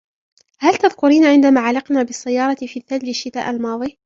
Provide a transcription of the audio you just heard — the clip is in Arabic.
هل تذكرين عندما علقنا بالسيارة في الثلج الشتاء الماضي ؟